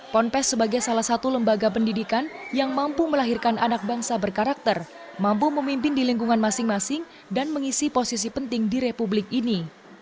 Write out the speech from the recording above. ponpes sebagai salah satu lembaga pendidikan yang mampu melahirkan anak bangsa berkarakter mampu memimpin di lingkungan masing masing dan mengisi posisi penting di republik ini